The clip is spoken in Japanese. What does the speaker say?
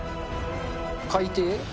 海底？